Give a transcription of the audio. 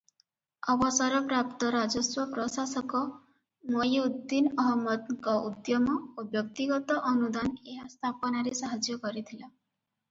ଅବସରପ୍ରାପ୍ତ ରାଜସ୍ୱ ପ୍ରଶାସକ ମଇଉଦ୍ଦିନ ଅହମଦଙ୍କ ଉଦ୍ୟମ ଓ ବ୍ୟକ୍ତିଗତ ଅନୁଦାନ ଏହା ସ୍ଥାପନାରେ ସାହାଯ୍ୟ କରିଥିଲା ।